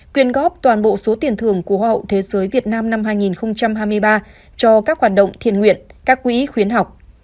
quyên góp toàn bộ số tiền thưởng của hoa hậu thế giới việt nam năm hai nghìn hai mươi ba cho các hoạt động thiền nguyện các quỹ khuyến học